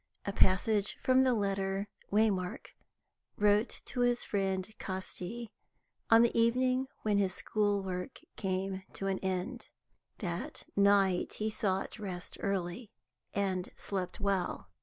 A passage from the letter Waymark wrote to his friend Casti, on the evening when his school work came to an end. That night he sought rest early, and slept well.